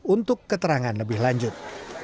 untuk keterangan lebih lanjut